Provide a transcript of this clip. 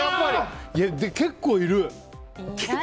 結構いる！